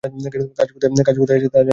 কাজ কোথায় আছে তা জানি।